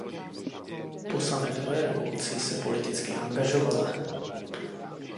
Po sametové revoluci se politicky angažovala.